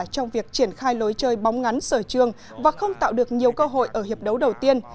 trong việc triển khai lối chơi bóng ngắn sở trường và không tạo được nhiều cơ hội ở hiệp đấu đầu tiên